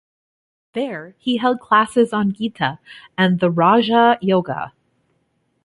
There he held classes on Gita and the Raja Yoga.